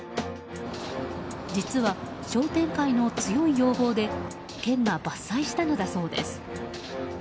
実は、商店会の強い要望で県が伐採したのだそうです。